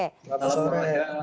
selamat sore ya